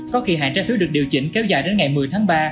có kỳ hạn trái phiếu được điều chỉnh kéo dài đến ngày một mươi tháng ba